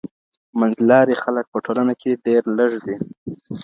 منځلاري خلګ په ټولنه کي ډېر لږ دي.